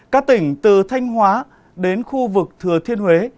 các tỉnh từ thanh hóa đến khu vực thừa thiên huế